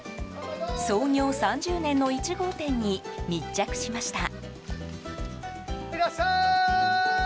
創業３０年の１号店に密着しました。